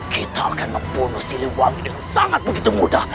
kita akan membunuh si lembaga itu sangat begitu mudah